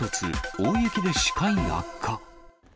大雪で視界悪化。